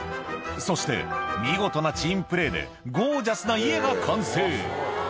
そして、見事なチームプレーでゴージャスな家が完成。